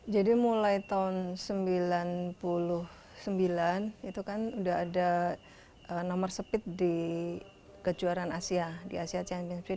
jadi mulai tahun seribu sembilan ratus sembilan puluh sembilan itu kan udah ada nomor speed di kejuaraan asia di asia champions league